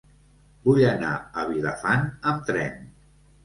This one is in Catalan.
Vull anar a Vilafant amb tren.